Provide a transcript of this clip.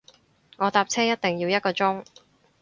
我搭車一定要一個鐘